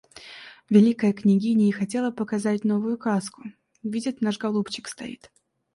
Великая княгиня и хотела показать новую каску... Видят, наш голубчик стоит.